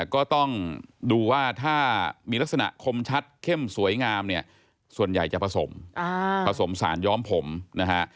ก็ต้องดูว่าถ้ามีลักษณะคมชัดเข้มสวยงามเนี่ยส่วนใหญ่จะผสมผสมสารย้อมผมนะฮะ